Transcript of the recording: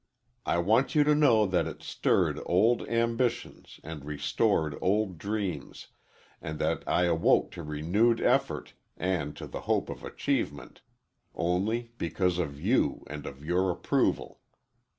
I want you to know that it stirred old ambitions and restored old dreams, and that I awoke to renewed effort and to the hope of achievement only because of you and of your approval.